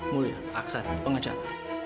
mulia aksan pengacara